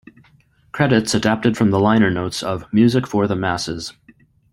Credits adapted from the liner notes of "Music for the Masses".